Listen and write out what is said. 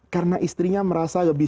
karena istrinya merasa lebih